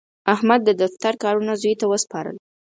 احمد د دفتر کارونه زوی ته وسپارل.